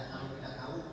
kalau tidak tahu